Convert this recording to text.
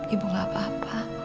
ibu gak apa apa